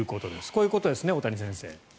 こういうことですね、大谷先生。